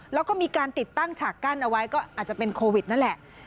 แล้วก็มีการติดตั้งฉากกั้นเอาไว้ก็อาจจะเป็นโควิดนั่นแหละ